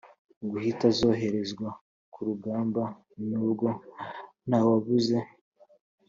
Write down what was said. guhita zoherezwa ku rugamba. nubwo ntawabuze